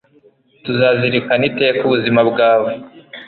tuzazirikana iteka ubuzima bwawe